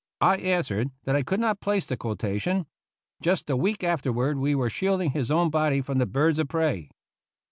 " I answered that I could not place the quotation. Just a week afterward we were shielding his own body from the birds of prey.